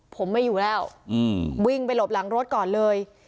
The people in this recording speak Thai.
ผมไม่อยู่แล้ววิ่งไปหลบหลังรถก่อนเลย